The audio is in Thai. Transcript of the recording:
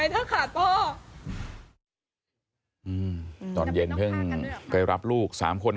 ที่มันก็มีเรื่องที่ดิน